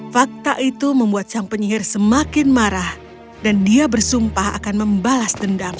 fakta itu membuat sang penyihir semakin marah dan dia bersumpah akan membalas dendam